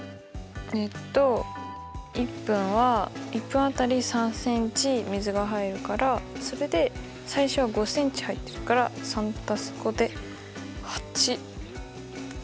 えっと１分は１分当たり３ｃｍ水が入るからそれで最初は５ｃｍ入ってるから３＋５で８。できました。